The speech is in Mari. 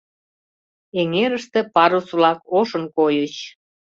Эҥерыште парус-влак ошын койыч.